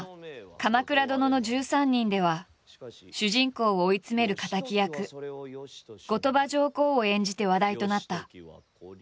「鎌倉殿の１３人」では主人公を追い詰める敵役後鳥羽上皇を演じて話題となった。